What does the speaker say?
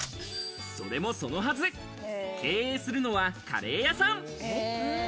それもそのはず、経営するのはカレー屋さん。